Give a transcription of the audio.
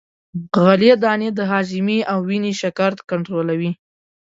غلې دانې د هاضمې او وینې شکر کنترولوي.